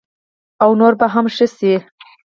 او نور به هم ښه شي.